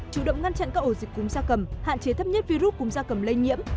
chủ động ngăn chặn các ổ dịch cúm da cầm hạn chế thấp nhất virus cúm da cầm lây nhiễm